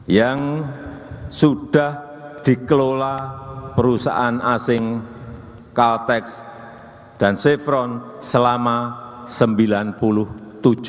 yang sudah dikelola perusahaan asing caltex dan chevron selama sembilan puluh tujuh tahun